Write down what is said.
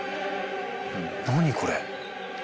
何これ。